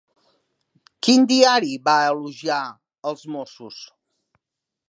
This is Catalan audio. Quin diari va elogiar els Mossos?